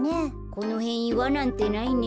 このへんいわなんてないね。